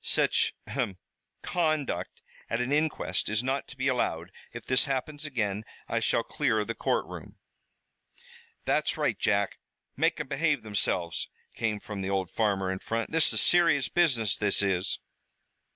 Such ahem! conduct at an inquest is not to be allowed. If this happens again I shall clear the courtroom." "Thet's right, Jack, make 'em behave themselves," came from the old farmer in front. "This is serious business, this is."